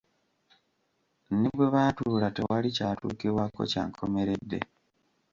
Ne bwe baatuula tewali kyatuukibwako kya nkomeredde.